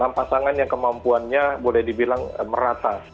dan satu pasangan yang kemampuannya boleh dibilang merata